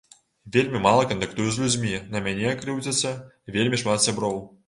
Вельмі мала кантактую з людзьмі, на мяне крыўдзіцца вельмі шмат сяброў.